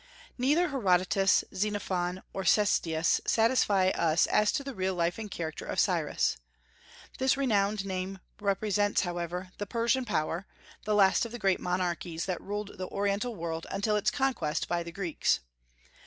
Neither Herodotus, Xenophon, nor Ctesias satisfy us as to the real life and character of Cyrus. This renowned name represents, however, the Persian power, the last of the great monarchies that ruled the Oriental world until its conquest by the Greeks.